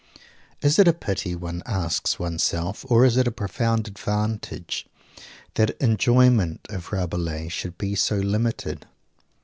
Is it a pity, one asks oneself, or is it a profound advantage, that enjoyment of Rabelais should be so limited?